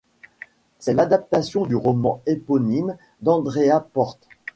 C'est l'adaptation du roman éponyme d'Andrea Portes.